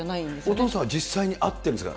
お父さんは実際に会ってるんですか？